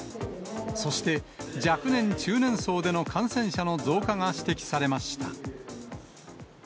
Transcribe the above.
そして若年・中年層での感染者の増加が指摘されました。